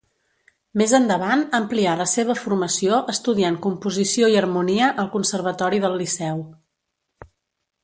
Més endavant amplià la seva formació estudiant Composició i Harmonia al Conservatori del Liceu.